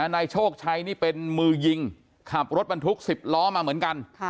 นายโชคชัยนี่เป็นมือยิงขับรถบรรทุก๑๐ล้อมาเหมือนกัน